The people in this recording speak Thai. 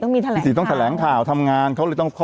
นี่น้วยแฟนผมไง